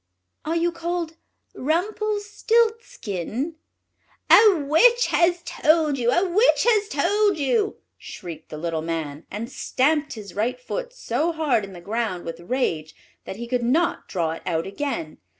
"Are you called Rumpelstiltskin?" "A witch has told you! a witch has told you!" shrieked the little Man, and stamped his right foot so hard in the ground with rage that he could not draw it out again.